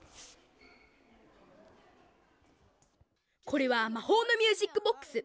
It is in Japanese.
これはまほうのミュージックボックス。